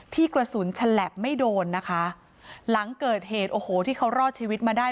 กระสุนฉลับไม่โดนนะคะหลังเกิดเหตุโอ้โหที่เขารอดชีวิตมาได้